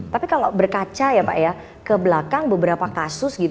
tapi kalau berkaca ya pak kebelakang beberapa kasus